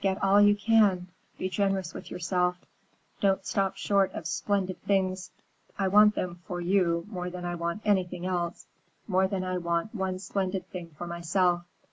"Get all you can. Be generous with yourself. Don't stop short of splendid things. I want them for you more than I want anything else, more than I want one splendid thing for myself.